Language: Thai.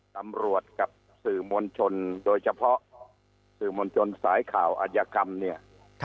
ตำรวจกับสื่อมนต์ชนโดยเฉพาะสื่อมนต์ชนสายข่าวอัตยกรรมเนี่ย